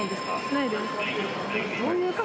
ないです